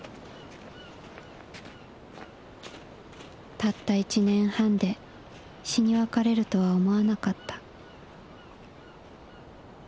「たった１年半で死に別れるとは思わなかった」。